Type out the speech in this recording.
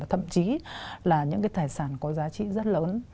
thậm chí là những cái tài sản có giá trị rất lớn